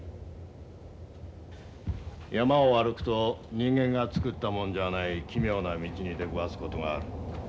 山を歩くと人間が作ったものじゃない奇妙な道に出くわす事がある。